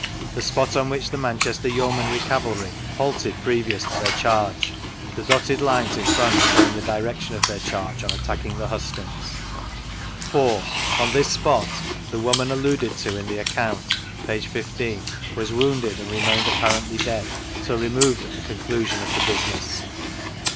The spot on which the Manchester Yeomanry Cavalry halted previous to their chat^; the dotted lines in front showing the (Erection of their chvge on attacking the hustings. vGoogIc uilli'Oi, ■V Google STANLEY'S PLAN 9 4. On tlus spot the woman alluded to in the account (p. 15) was wounded and remained ap parently dead, till removed at the conclusion of the business.